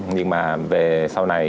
nhưng mà về sau này